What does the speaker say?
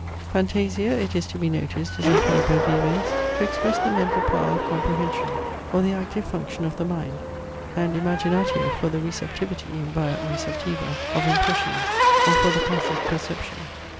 Phantasia, it is to be noticed, is employed by Vives to express the mental power of comprehension, or the active function of the mind; and imaginatio for the receptivity (via receptiva) of impressions, or for the passive perception.